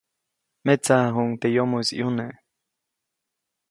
Metsaʼajuʼuŋ teʼ yomoʼis ʼyune.